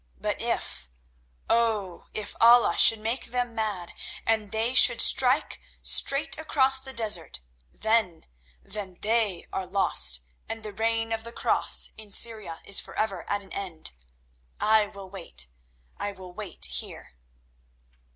But if—oh! if Allah should make them mad, and they should strike straight across the desert—then, then they are lost, and the reign of the Cross in Syria is forever at an end. I will wait here. I will wait here.